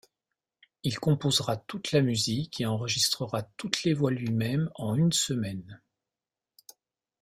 Il composera toutes la musique et enregistrera toutes les voix lui-même en une semaine.